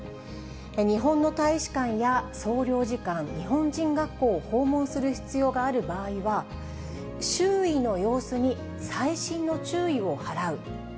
日本の大使館や総領事館、日本人学校を訪問する必要がある場合は、周囲の様子に細心の注意を払う。